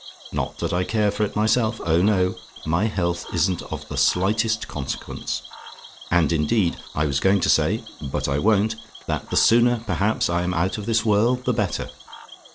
Not that I care for it myself oh, no; my health isn't of the slightest consequence. And, indeed, I was going to say but I won't that the sooner, perhaps, I'm out of this world, the better.